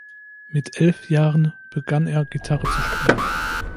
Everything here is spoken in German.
Mit elf Jahren begann er Gitarre zu spielen.